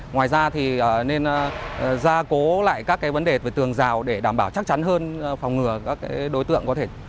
ngoài ra thì nên gia cố lại các cái vấn đề về tường dao để đảm bảo chắc chắn hơn phòng ngừa các cái đối tượng có thể đối tượng